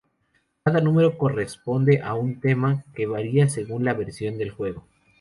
Cada número corresponde a un tema, que varía según la versión del juego.